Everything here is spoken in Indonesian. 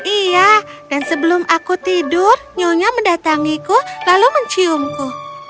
iya dan sebelum aku tidur nyonya mendatangiku lalu menciumku